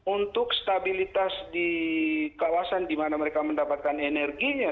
untuk stabilitas di kawasan di mana mereka mendapatkan energinya